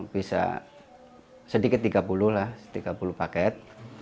bisa sedikit tiga puluh lah tiga puluh paket